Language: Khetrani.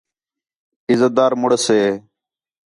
عِزت دار مُݨس ہِے